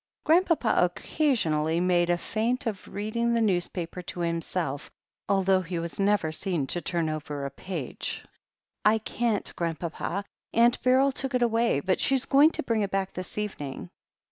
Grandpapa occasionally made a feint of reading the newspaper to himself, although he was never seen to turn over a page. THE HEEL OF ACHILLES 31 I can't. Grandpapa. Aunt Beryl took it away, but she is going to bring it back this evening."